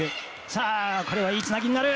さあこれはいいつなぎになる。